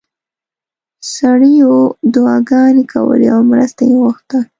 سړیو دعاګانې کولې او مرسته یې غوښته.